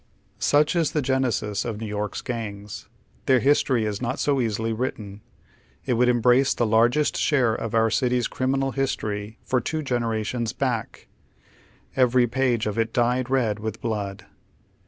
Such is the genesis of New York's gangs. Their his tory is not so easily written. It would embrace the larg est share of our city's criminal history for two genera tions back, every page of it dyed red with blood.